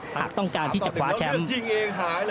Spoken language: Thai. หากต้องการที่จะคว้าแชมป์